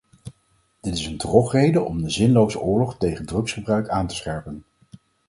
Dit is een drogreden om de zinloze oorlog tegen drugsgebruik aan te scherpen.